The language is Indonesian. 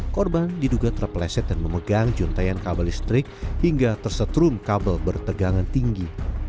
korban diduga terpleset dan memegang juntayan kabel listrik hingga tersetrum kabel bertegangan tinggi